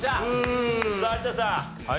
さあ有田さん。